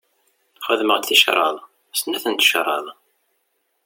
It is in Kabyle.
Xedmeɣ-d ticraḍ, snat n tecraḍ.